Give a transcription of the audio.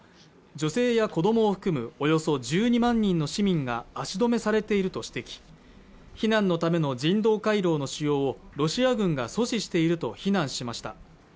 女性や子どもを含むおよそ１２万人の市民が足止めされていると指摘避難のための人道回廊の使用をロシア軍が阻止していると非難しました